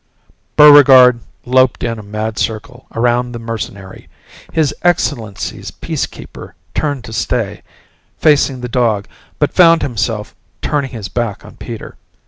Buregarde loped in a mad circle around the mercenary. His Excellency's Peacekeeper turned to stay facing the dog but found himself turning his back on Peter.